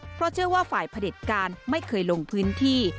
เพราะเชื่อว่าฝ่ายผลิตการไม่เคยลงพื้นที่